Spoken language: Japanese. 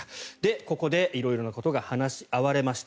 ここで、色々なことが話し合われました。